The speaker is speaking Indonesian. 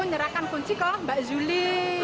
nyerahkan kunci kok mbak zuli